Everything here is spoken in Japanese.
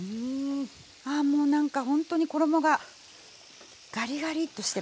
あもう何かほんとに衣がガリガリッとしてます。